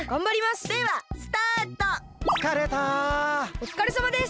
おつかれさまです！